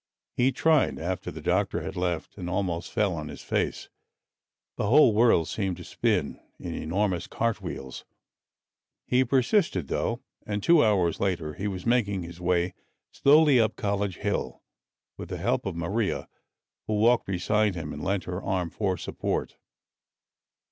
He tried, after the doctor had left, and almost fell on his face. The whole world seemed to spin in enormous cart wheels. He persisted though, and 2 hours later he was making his way slowly up College Hill with the help of Maria who walked beside him and lent her arm for support.